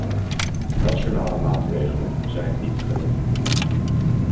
Nationale maatregelen zijn niet genoeg.